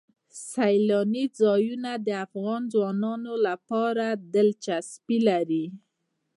سیلانی ځایونه د افغان ځوانانو لپاره دلچسپي لري.